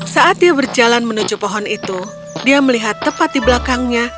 saat dia berjalan menuju pohon itu dia melihat tepat di belakangnya